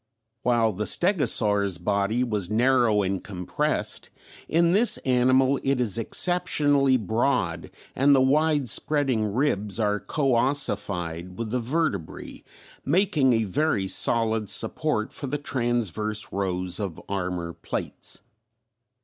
While the stegosaur's body was narrow and compressed, in this animal it is exceptionally broad and the wide spreading ribs are coössified with the vertebrae, making a very solid support for the transverse rows of armor plates.